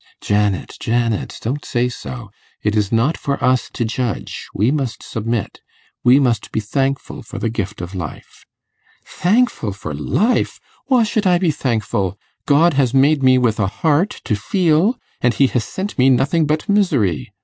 'Janet, Janet, don't say so. It is not for us to judge; we must submit; we must be thankful for the gift of life.' 'Thankful for life! Why should I be thankful? God has made me with a heart to feel, and He has sent me nothing but misery.